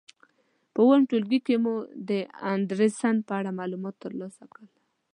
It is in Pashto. په اووم ټولګي کې مو د اندرسن په اړه معلومات تر لاسه کړل.